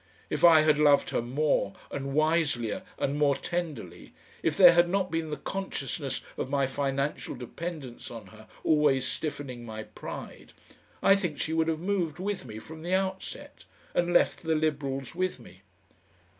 If I had loved her more, and wiselier and more tenderly, if there had not been the consciousness of my financial dependence on her always stiffening my pride, I think she would have moved with me from the outset, and left the Liberals with me.